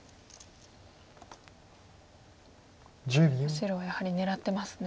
白はやはり狙ってますね。